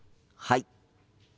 はい。